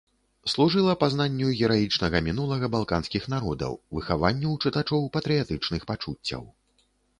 Служыла пазнанню гераічнага мінулага балканскіх народаў, выхаванню ў чытачоў патрыятычных пачуццяў.